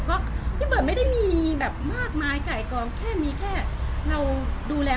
เพราะพี่เบิร์ตไม่ได้มีแบบมากมายไก่กองแค่มีแค่เราดูแล